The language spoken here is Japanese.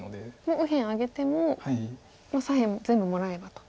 もう右辺あげても左辺全部もらえばと。